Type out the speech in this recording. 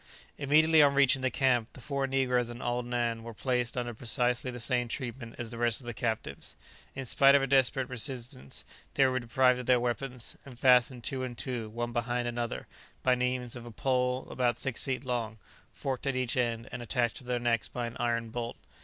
Immediately on reaching the camp, the four negroes and old Nan were placed under precisely the same treatment as the rest of the captives. In spite of a desperate resistance, they were deprived of their weapons, and fastened two and two, one behind another, by means of a pole about six feet long, forked at each end, and attached to their necks by an iron bolt.